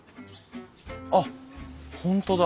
あっ本当だ。